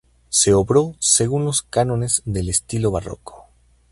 Se obró según los cánones del estilo barroco.